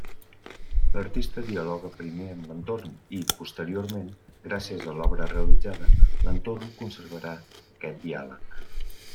L'artista dialoga primer amb l'entorn i, posteriorment, gràcies a l'obra realitzada, l'entorn conservarà aquest diàleg.